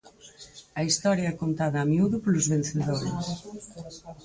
A historia é contada a miúdo polos vencedores.